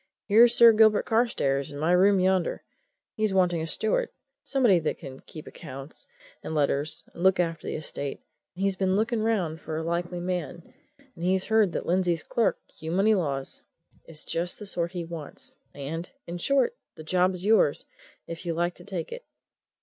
Here's Sir Gilbert Carstairs in my room yonder. He's wanting a steward somebody that can keep accounts, and letters, and look after the estate, and he's been looking round for a likely man, and he's heard that Lindsey's clerk, Hugh Moneylaws, is just the sort he wants and, in short, the job's yours, if you like to take it.